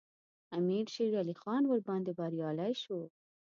امیر شېرعلي خان ورباندې بریالی شو.